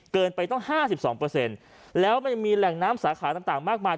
เกินไปต้องห้าสิบสองเปอร์เซ็นต์แล้วมันยังมีแหล่งน้ำสาขาต่างมากมาย